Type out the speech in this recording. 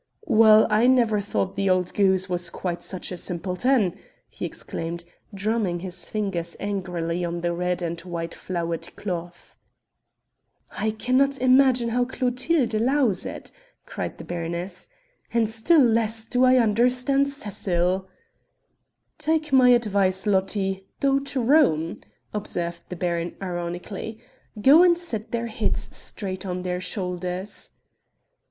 "Well, I never thought the old goose was quite such a simpleton!" he exclaimed, drumming his fingers angrily on the red and white flowered cloth. "I cannot imagine how Clotilde allows it!" cried the baroness "and still less do I understand Cecil." "Take my advice, Lotti, go to Rome," observed the baron ironically; "go and set their heads straight on their shoulders."